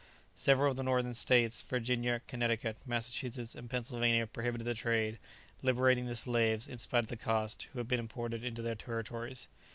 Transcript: Several of the Northern States, Virginia, Connecticut, Massachusetts, and Pennsylvania prohibited the trade, liberating the slaves, in spite of the cost, who had been imported into their territories.